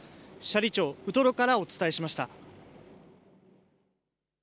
斜里町ウトロからお伝えしました。